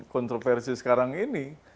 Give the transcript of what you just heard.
kontroversi sekarang ini